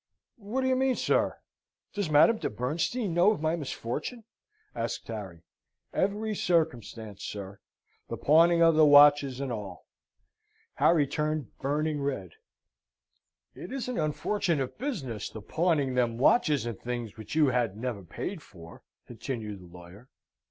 "What do you mean, sir? Does Madame de Bernstein know of my misfortune?" asked Harry. "Every circumstance, sir; the pawning the watches, and all." Harry turned burning red. "It is an unfortunate business, the pawning them watches and things which you had never paid for," continued the lawyer.